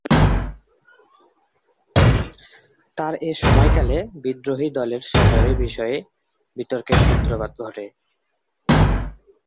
তার এ সময়কালে বিদ্রোহী দলের সফরের বিষয়ে বিতর্কের সূত্রপাত ঘটে।